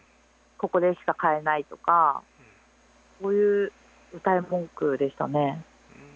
ここでしか買えないとか、そういううたい文句でしたね。